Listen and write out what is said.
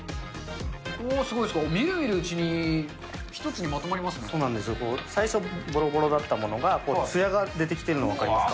おー、すごい、見る見るうちそうなんですよ。最初ぼろぼろだったものが、つやが出てきてるの分かりますか？